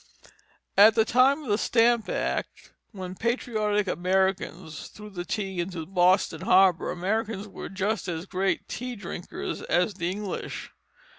At the time of the Stamp Act, when patriotic Americans threw the tea into Boston harbor, Americans were just as great tea drinkers as the English.